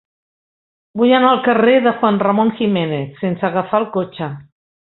Vull anar al carrer de Juan Ramón Jiménez sense agafar el cotxe.